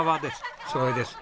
すごいです。